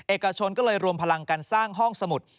เอกชนก็เลยรวมพลังการสร้างห้องสมุด